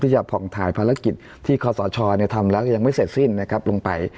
จะผ่องถ่ายภารกิจที่คอสชทำแล้วยังไม่เสร็จสิ้นนะครับลงไป